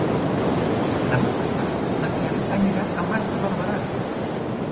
Demà passat na Cel anirà a Mas de Barberans.